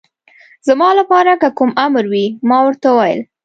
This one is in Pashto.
زما لپاره که کوم امر وي، ما ورته وویل.